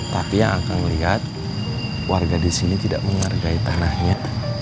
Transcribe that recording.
tapi yang akan melihat warga di sini tidak menghargai tanahnya